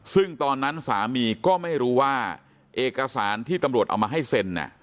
ซึ่งตอนนั้นสามีก็ไม่รู้ว่าเอกสารที่ตำรวจเอามาให้เซ็น